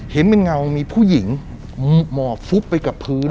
เห็นเป็นเงามีผู้หญิงหมอบฟุบไปกับพื้น